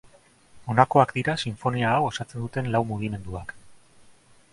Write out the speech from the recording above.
Honakoak dira sinfonia hau osatzen duten lau mugimenduak.